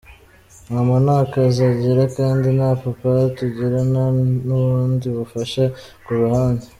Mama nta kazi agira kandi nta papa tugira nta n’ubundi bufasha kuruhande.